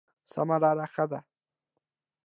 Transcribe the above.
سمه لاره ښه ده.